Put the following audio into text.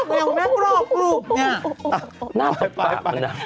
โอ๊ยเกราะมากแม่งแม่กลอบกลุ่มนี่